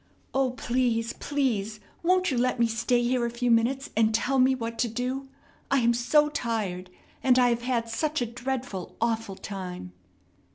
"O, please, please, won't you let me stay here a few minutes, and tell me what to do? I am so tired, and I have had such a dreadful, awful time!"